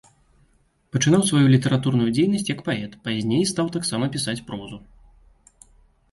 Пачынаў сваю літаратурную дзейнасць як паэт, пазней стаў таксама пісаць прозу.